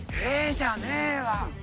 じゃねえわ。